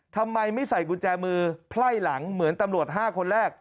ทำไมไม่ใส่กุญแจมือไพ่หลังเหมือนตำรวจ๕คนแรก